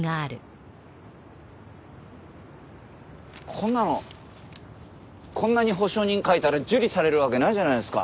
こんなのこんなに保証人書いたら受理されるわけないじゃないですか。